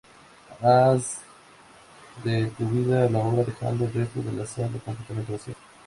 Haz de tu vida la obra", dejando el resto de las sala completamente vacía.